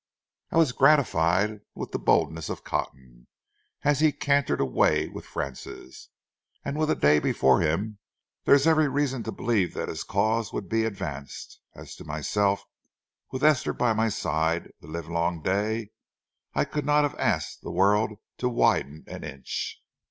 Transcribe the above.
I was gratified with the boldness of Cotton, as he cantered away with Frances, and with the day before him there was every reason to believe that his cause would he advanced. As to myself, with Esther by my side the livelong day, I could not have asked the world to widen an inch.